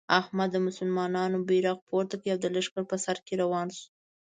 احمد د مسلمانانو بیرغ پورته او د لښکر په سر کې روان شو.